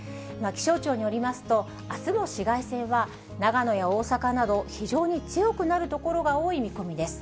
気象庁によりますと、あすも紫外線は、長野や大阪など、非常に強くなる所が多い見込みです。